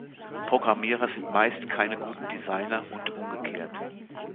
Programmierer sind meist keine guten Designer und umgekehrt.